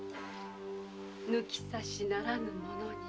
抜き差しならぬものにした。